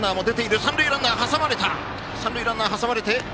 三塁ランナー、挟まれた。